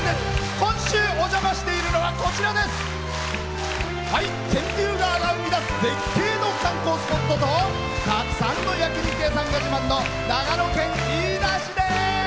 今週、お邪魔しているのは天竜川が生み出す絶景の観光スポットとたくさんの焼き肉屋さんが自慢の長野県飯田市です！